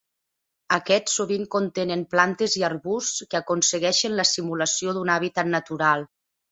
Aquests sovint contenen plantes i arbusts que aconsegueixen la simulació d'un hàbitat natural.